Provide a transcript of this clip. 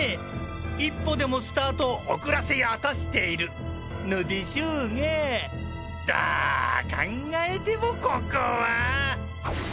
１歩でもスタートを遅らせようとしているのでしょうがどう考えてもここは。